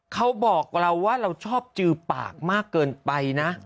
เขาบอกเราว่าเราชอบจือปากมากเกินไปนะ